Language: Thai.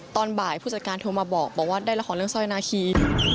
ตอนบ่ายผู้จัดการโทรมาบอกว่าได้ละครเรื่องสร้อยนาคี